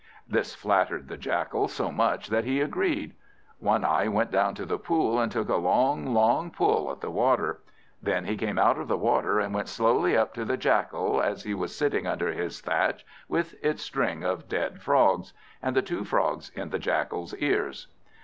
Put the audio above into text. This flattered the Jackal so much that he agreed. One eye went down to the pool, and took a long, long pull at the water. Then he came out of the water, and went slowly up to the Jackal, as he was sitting under his thatch, with its string of dead Frogs, and the two Frogs in the Jackal's ears.